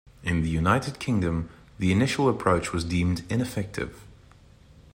In the United Kingdom, the initial approach was deemed ineffective.